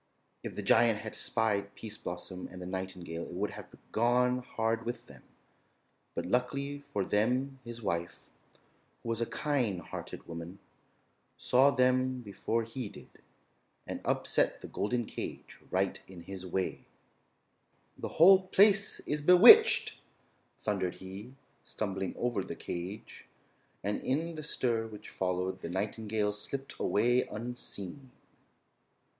If the Giant had spied Pease Blossom and the nightingale it would have gone hard with them; but luckily for them his wife, who was a kind hearted woman, saw them before he did, and upset the golden cage right in his way. [Illustration: STRAIGHT TO THE ENCHANTED WOOD THEY WENT.] "The whole place is bewitched," thundered he, stumbling over the cage; and in the stir which followed the nightingale slipped away unseen.